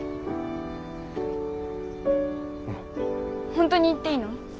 ほんとに言っていいの？